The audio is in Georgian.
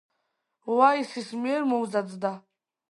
ვაისის მიერ მომზადდა.